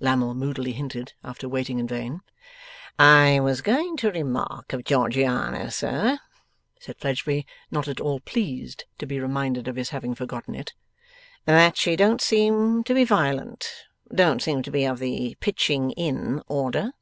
Lammle moodily hinted, after waiting in vain. 'I was going to remark of Georgiana, sir,' said Fledgeby, not at all pleased to be reminded of his having forgotten it, 'that she don't seem to be violent. Don't seem to be of the pitching in order.